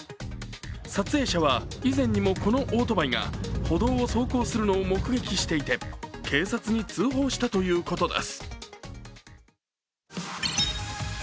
撮影者は以前にもこのオートバイが歩道を走行するのを目撃していて警察に通報したということです。